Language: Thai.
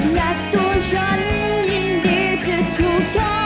อยากตัวฉันยินดีจะถูกเธอทิ้ง